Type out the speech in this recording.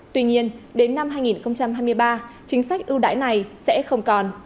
tuy nhiên đến năm hai nghìn hai mươi ba chính sách ưu đãi này sẽ không còn